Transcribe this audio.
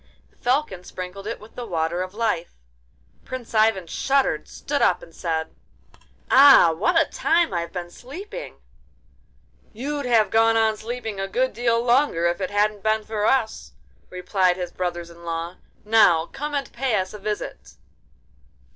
The Falcon sprinkled it with the Water of Life—Prince Ivan shuddered, stood up, and said: 'Ah! what a time I've been sleeping!' 'You'd have gone on sleeping a good deal longer if it hadn't been for us,' replied his brothers in law. 'Now come and pay us a visit.